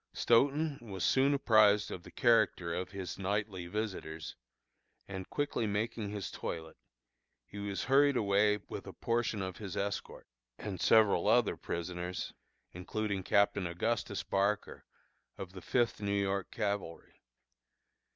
Stoughton was soon apprised of the character of his nightly visitors, and quickly making his toilet, he was hurried away with a portion of his escort, and several other prisoners, including Captain Augustus Barker, of the Fifth New York Cavalry.